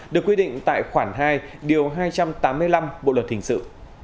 được quy định tại khoản hai điều hai trăm tám mươi năm bộ luật hình sự